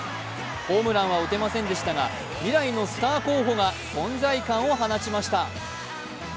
ホームランは打てませんでしたが未来のスター候補が存在感を放ちました。